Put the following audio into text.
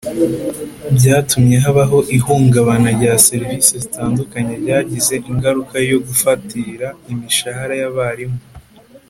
byatumye habaho ihungabana rya serivisi zitandukanye ryagize ingaruka yo gufatira imishahara y’abarimu